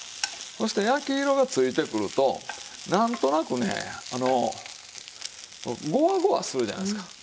そして焼き色がついてくるとなんとなくねあのゴワゴワするじゃないですか。